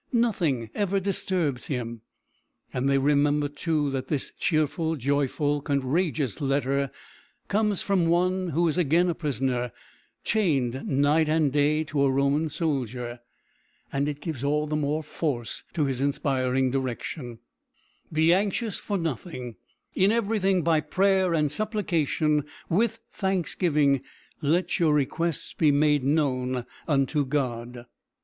Nothing ever disturbs him." And they remember, too, that this cheerful, joyful, courageous letter comes from one who is again a prisoner, chained night and day to a Roman soldier, and it gives all the more force to his inspiring direction: "Be anxious for nothing in everything, by prayer and supplication, with thanksgiving, let your requests be made known unto God."